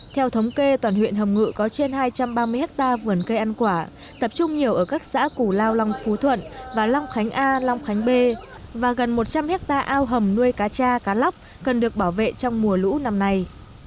theo thống kê toàn huyện hồng ngự có trên hai trăm ba mươi hectare vườn cây ăn quả tập trung nhiều ở các xã củ lao long phú thuận và long khánh a long khánh bê và gần một trăm linh hectare ao hầm nuôi cá cha cá lóc cần được bảo vệ trong mùa lũ năm nay